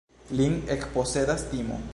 Lin ekposedas timo.